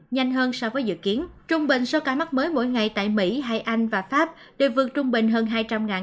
nhanh hơn so với dự kiến trung bình số ca mắc mới mỗi ngày tại mỹ hay anh và pháp đều vượt trung bình hơn hai trăm linh ca